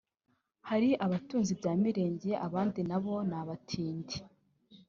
"Hari abatunze ibya mirenge abandi nabo ni abatindi